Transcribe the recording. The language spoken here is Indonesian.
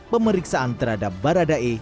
pemeriksaan terhadap baradae